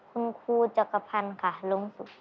คุณครูจักรพันธ์ค่ะลุงสุข